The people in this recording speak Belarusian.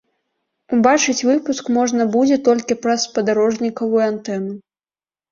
Убачыць выпуск можна будзе толькі праз спадарожнікавую антэну.